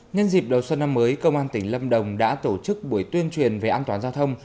nhân dịp đầu xuân năm mới công an tỉnh lâm đồng đã tổ chức buổi tuyên truyền về an toàn giao thông